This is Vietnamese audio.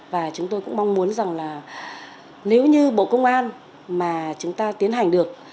và chúng tôi cũng mong muốn rằng là nếu như bộ công an mà chúng ta tiến hành được